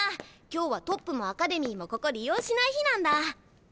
今日はトップもアカデミーもここ利用しない日なんだ。